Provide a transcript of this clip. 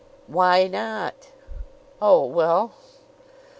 "Why not?" "Oh, well!"